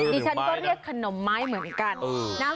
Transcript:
ดิฉันก็เรียกขนมไม้เหมือนกันนะ